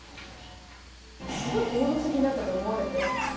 すごく暴力的になったと思われて。